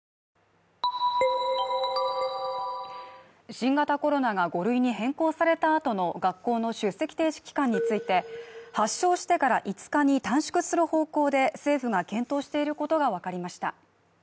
新型コロナが５類に変更された後の学校の出席停止期間について発症してから５日に短縮する方向で政府が検討していることがわかりました。